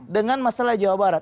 dengan masalah jawa barat